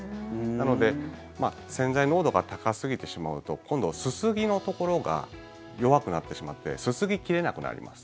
なので洗剤濃度が高すぎてしまうと今度、すすぎのところが弱くなってしまってすすぎ切れなくなります。